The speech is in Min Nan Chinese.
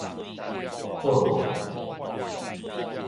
做囮